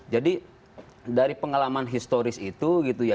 dari pengalaman historis itu gitu ya